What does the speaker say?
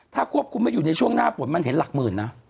ถ้าควบคุมไม่อยู่ในช่วงหน้าฝนมันเห็นหลักหมื่นนะ